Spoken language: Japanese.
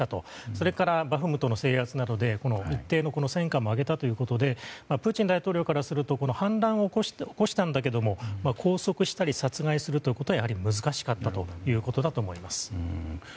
それから、バフムトの制圧などで一定の戦果も挙げたことでプーチン大統領からすると反乱を起こしたんだけど拘束したり殺害するということはやはり難しかったということだと思います。